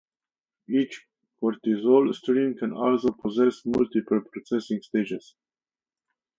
Each cortical stream can also possess multiple processing stages.